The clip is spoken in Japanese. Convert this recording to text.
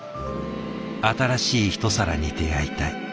新しいひと皿に出会いたい。